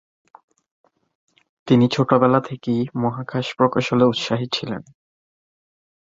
তিনি ছোটবেলা থেকেই মহাকাশ প্রকৌশলে উৎসাহী ছিলেন।